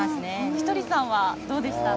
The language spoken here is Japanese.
ひとりさんはどうでしたか。